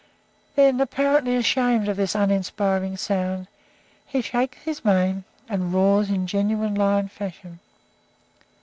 Then, apparently ashamed of this uninspiring sound, he shakes his mane and roars in genuine lion fashion.